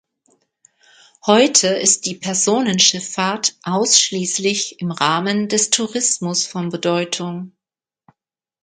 Heute ist die Personenschifffahrt ausschließlich im Rahmen des Tourismus von Bedeutung.